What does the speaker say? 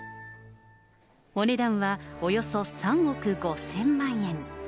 お値段はおよそ３億５０００万円。